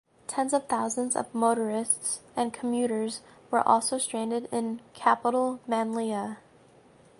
Tens of thousands of motorists and commuters were also stranded in capital Manila.